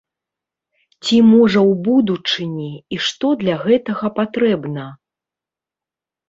Ці можа ў будучыні, і што для гэтага патрэбна?